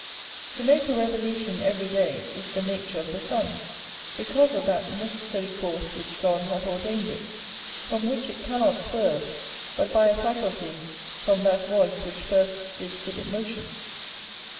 To make a revolution every day is the nature of the sun, because of that necessary course which God hath ordained it, from which it cannot swerve but by a faculty from that voice which first did give it motion.